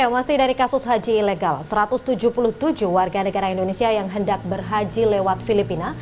masih dari kasus haji ilegal satu ratus tujuh puluh tujuh warga negara indonesia yang hendak berhaji lewat filipina